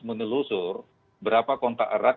menelusur berapa kontak erat